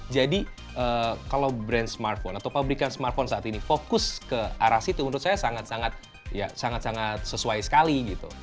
jadi kalau brand smartphone atau pabrikan smartphone saat ini fokus ke arah situ menurut saya sangat sangat sesuai sekali gitu